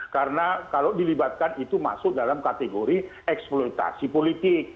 karena kalau dilibatkan itu masuk dalam kategori eksploitasi politik